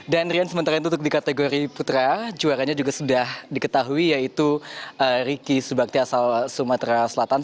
dan rian sementara itu untuk di kategori putra juaranya juga sudah diketahui yaitu riki subakti asal sumatera selatan